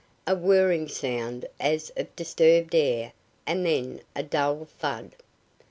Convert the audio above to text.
A whirring sound as of disturbed air and then a dull thud.